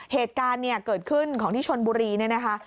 เหตุการณ์เกิดขึ้นของที่ชนบุรีนะคะ